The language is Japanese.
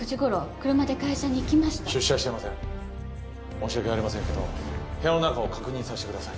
申し訳ありませんけど部屋の中を確認させてください。